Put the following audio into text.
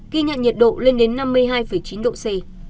ghi nhận nhiệt độ lên đến năm mươi hai chín độ c